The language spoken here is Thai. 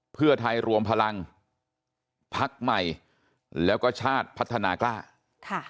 เพื่อไทยรวมพลังพักใหม่แล้วก็ชาติพัฒนากล้าค่ะ